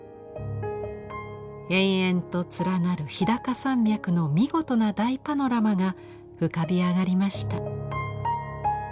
延々と連なる日高山脈の見事な大パノラマが浮かび上がりました。